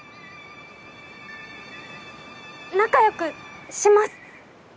仲良くします！